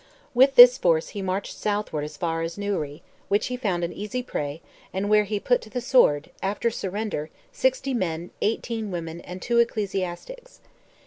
With this force he marched southward as far as Newry, which he found an easy prey, and where he put to the sword, after surrender, sixty men, eighteen women, and two ecclesiastics.